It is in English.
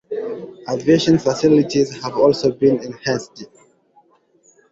Aviation facilities have also been enhanced.